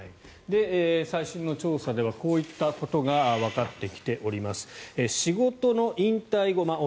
最新の調査ではこういったことがわかってきております。